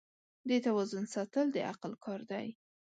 د توازن ساتل د عقل کار دی.